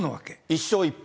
１勝１敗。